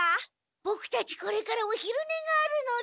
ボクたちこれからおひるねがあるので。